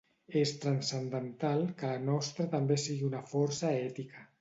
És transcendental que la nostra també sigui una força ètica.